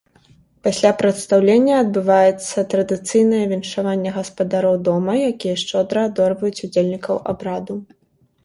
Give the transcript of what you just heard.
Пасля прадстаўлення адбываецца традыцыйнае віншаванне гаспадароў дома, якія шчодра адорваюць удзельнікаў абраду.